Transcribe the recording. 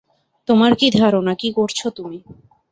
তোমার কি ধারণা, কি করছো তুমি?